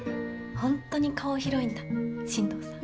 ほんとに顔広いんだ進藤さん。